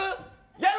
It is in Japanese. やる？